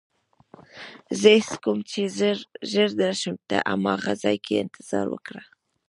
زه هڅه کوم چې ژر درشم، ته هماغه ځای کې انتظار وکړه.